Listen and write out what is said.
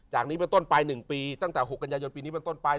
จากนี้มันต้นไป๑ปีตั้งแต่หกกัญญายนปีนี้มันต้นไป